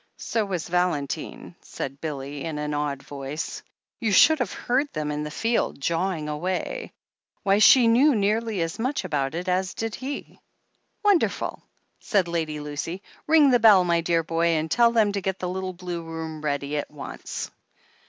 "So was Valentine," said Billy, in an awed voice. "You should have heard them in the field, jawing away. Why, she knew nearly as much about it as he did !" "Wonderful !" said Lady Lucy. "Ring the beU, my dear boy, and tell them to get the little blue room ready at once."